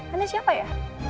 anda siapa ya